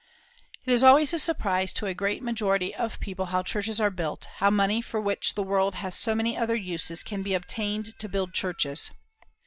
It is always a surprise to a great majority of people how churches are built, how money for which the world has so many other uses can be obtained to build churches.